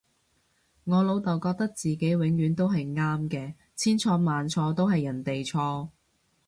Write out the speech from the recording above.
我老竇覺得自己永遠都係啱嘅，千錯萬錯都係人哋錯